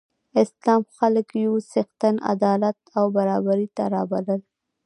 اسلام خلک یو څښتن، عدالت او برابرۍ ته رابلل.